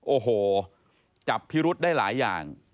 โอ้โหจับพิรุษได้หลายอย่าง